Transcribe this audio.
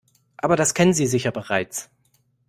Aber das kennen Sie sicher bereits.